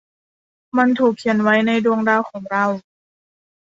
มันถูกเขียนไว้ในดวงดาวของเรา